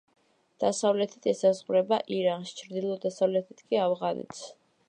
დასავლეთით ესაზღვრება ირანს, ჩრდილო-დასავლეთით კი ავღანეთს.